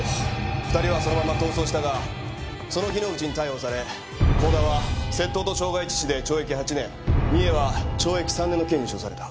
２人はそのまま逃走したがその日のうちに逮捕され甲田は窃盗と傷害致死で懲役８年美栄は懲役３年の刑に処された。